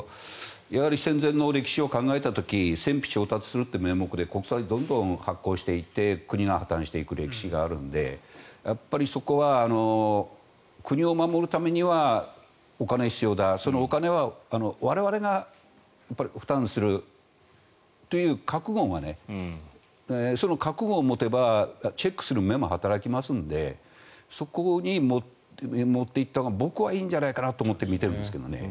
戦前の歴史を考えた時戦費を調達するって名目で国債をどんどん発行していって国が破たんしていく歴史があるんでそこは国を守るためにはお金が必要だ、そのお金は我々が負担するという覚悟がその覚悟を持てばチェックする目も働きますのでそこに持っていったほうが僕はいいんじゃないかなと思って見てるんですけどね。